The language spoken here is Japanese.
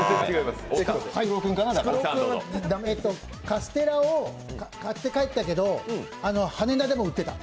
カステラを買って帰ったけど羽田でも売ってた。